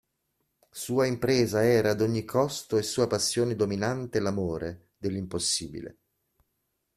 Sua impresa era ad ogni costo e sua passione dominante l'amore dell'impossibile.